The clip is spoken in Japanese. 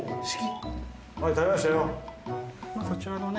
そちらのね